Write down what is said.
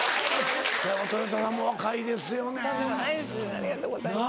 ありがとうございます。